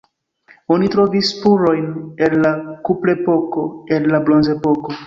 Oni trovis spurojn el la kuprepoko, el la bronzepoko.